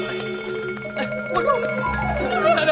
yah obat mulus mulus